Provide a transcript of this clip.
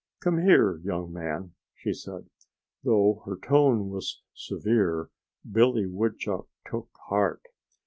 "Come here, young man!" she said. Though her tone was severe, Billy Woodchuck took heart.